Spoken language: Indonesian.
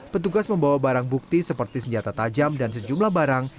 petugas membawa barang bukti seperti senjata tajam dan sejumlah barang